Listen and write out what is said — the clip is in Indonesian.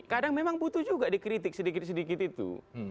kadang memang butuh juga dikritik sedikit sedikit itu